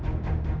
aku akan menang